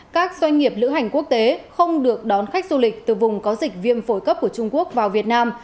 các doanh nghiệp lữ hành quốc tế không được đón khách du lịch từ vùng có dịch viêm phổi cấp của trung quốc vào việt nam